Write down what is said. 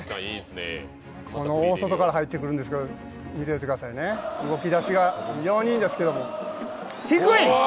この大外から入ってくるんですけど、見ていてくださいね動き出しが非常にいいんですけど低い！